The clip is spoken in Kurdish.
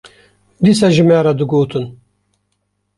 dîsa ji me re digotin